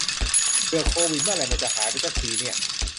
เบื่อโควิด เมื่อไหร่มันจะหายไปสักทีเนี่ย